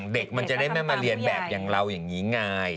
เด็กมันจะได้ไม่มาเรียนแบบอย่างเราอย่างนี้ไง